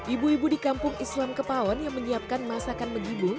ibu ibu di kampung islam kepawon yang menyiapkan masakan megibung